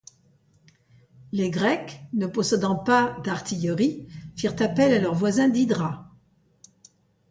Les Grecs ne possédant pas d'artillerie firent appel à leurs voisins d'Hydra.